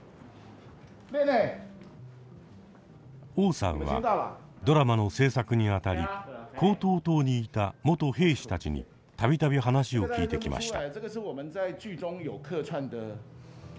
汪さんはドラマの制作にあたり高登島にいた元兵士たちに度々話を聞いてきました。